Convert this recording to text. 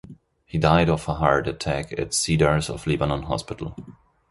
He died of a heart attack at Cedars of Lebanon Hospital.